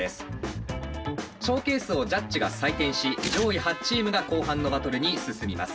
ショーケースをジャッジが採点し上位８チームが後半のバトルに進みます。